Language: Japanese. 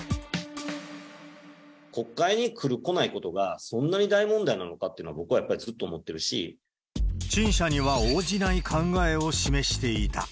国会に来る、来ないことが、そんなに大問題なのかっていうのは、僕はやっぱりずっと思ってる陳謝には応じない考えを示していた。